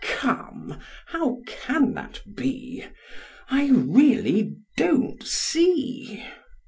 Come, how can that be? I really don't see.